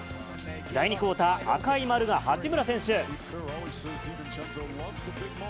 第２クオーター、赤い丸が八村選手。